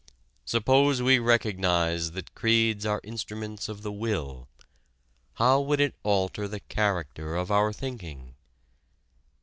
Suppose we recognize that creeds are instruments of the will, how would it alter the character of our thinking?